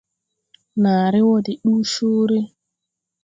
Nããre wɔ de ndu coore.